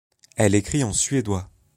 Elle écrit en suédois.